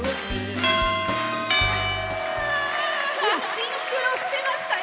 シンクロしてましたよ